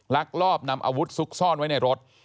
ลักลอบนำอาวุธซุกซ่อนไว้ในรถ